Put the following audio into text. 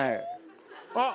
あっ！